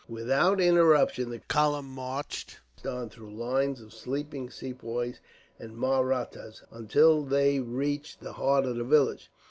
Without interruption, the column marched on through lines of sleeping Sepoys and Mahrattas until they reached the heart of the village.